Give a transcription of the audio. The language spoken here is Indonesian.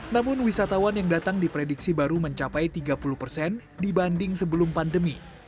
namun wisatawan yang datang diprediksi baru mencapai tiga puluh persen dibanding sebelum pandemi